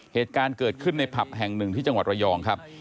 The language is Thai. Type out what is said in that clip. เหตุการณ์เกิดขึ้นในผับแห่งหนึ่งที่จังหวัดระยองครับ